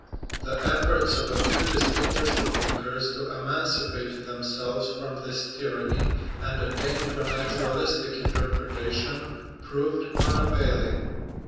The efforts of a few distinguished thinkers to emancipate themselves from this tyranny and attain to a natural istic interpretation proved unavailing.